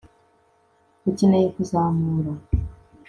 ukeneye kuzamura